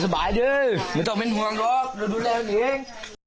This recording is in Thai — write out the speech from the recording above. เด้อไม่ต้องเป็นห่วงหรอกเราดูแลตัวเอง